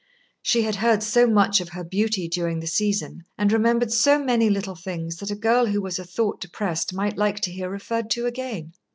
She had heard so much of her beauty during the season, and remembered so many little things that a girl who was a thought depressed might like to hear referred to again.